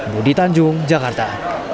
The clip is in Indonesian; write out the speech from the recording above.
budi tanjung jakarta